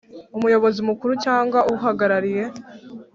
Umuyobozi mukuru cyangwa uhagarariye